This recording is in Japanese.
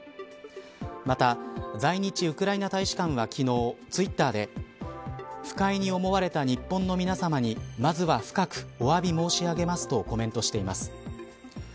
また在日ウクライナ大使館は昨日ツイッターで不快に思われた日本の皆さまにまずは深くおわび申し上げますとコメントしています。